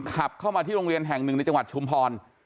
ขับเข้ามาที่โรงเรียนแห่งหนึ่งในจังหวัดชุมพร